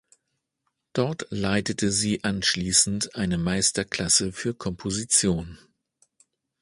Dort leitete sie anschließend eine Meisterklasse für Komposition.